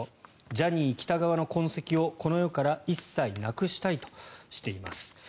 ジャニー喜多川の痕跡をこの世から一切なくしたいとしています。